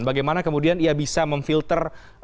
bagaimana kemudian ia bisa memfilter